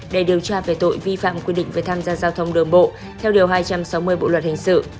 để điều tra về tội vi phạm quy định về tham gia giao thông đường bộ theo điều hai trăm sáu mươi bộ luật hình sự